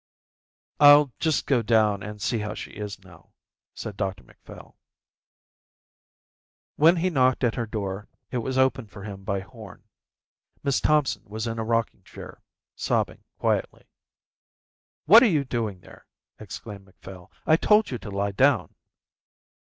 "I'll just go down and see how she is now," said Dr Macphail. When he knocked at her door it was opened for him by Horn. Miss Thompson was in a rocking chair, sobbing quietly. "What are you doing there?" exclaimed Macphail. "I told you to lie down."